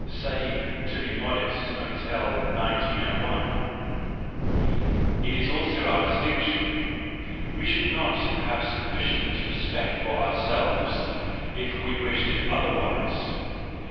say, to be modest, until 1901—, it is also our distinction ; we should not have sufficient respect for ourselves if we wished it otherwise.